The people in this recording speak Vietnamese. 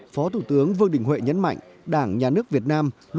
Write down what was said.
phó thủ tướng vương đình huệ nhấn mạnh đảng nhà nước việt nam